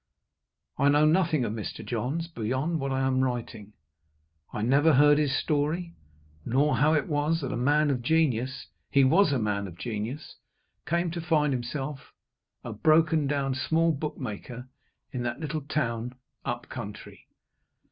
I know nothing of Mr. Johns, beyond what I am writing. I never heard his story, nor how it was that a man of genius he was a man of genius came to find himself a broken down small bookmaker in that little town "up country."